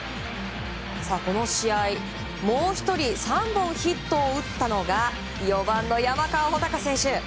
この試合、もう１人３本ヒットを打ったのが４番の山川穂高選手。